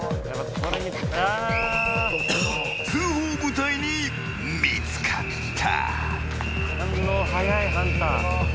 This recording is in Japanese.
通報部隊に見つかった。